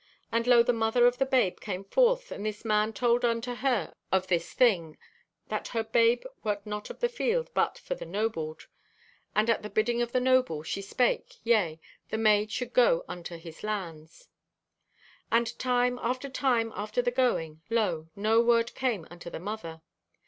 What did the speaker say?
And lo, the mother of the babe came forth and this man told unto her of this thing, that her babe wert not of the field but for the nobled. And, at the bidding of the noble, she spake, yea, the maid should go unto his lands. "And time and time after the going, lo, no word came unto the mother.